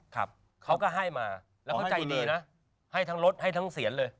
เขาก็ให้มาแล้วเขาใจดีนะให้ทั้งรถให้ทั้งเสียนเลย